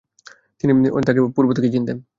তিনি তাকে পূর্ব থেকেই চিনতেন।